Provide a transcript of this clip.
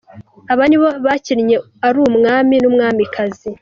Aba nibo bakinnye ari umwami n'umwamikazi.